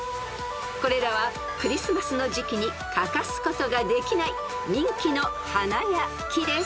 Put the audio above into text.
［これらはクリスマスの時季に欠かすことができない人気の花や木です］